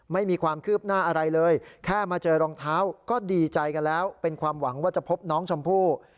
ไม่มีความคืบหน้าอะไรเลยแค่มาเจอรองเท้าก็ดีใจกันแล้วเป็นความหวังว่าจะพบน้องชมพู่